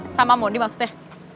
sama mondi maksudnya